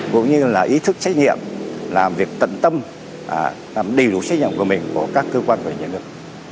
cũng như là ý thức trách nhiệm làm việc tận tâm làm đầy đủ trách nhiệm của mình của các cơ quan và nhân lực